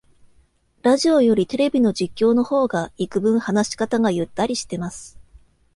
ラジオよりテレビの実況の方がいくぶん話し方がゆったりしてます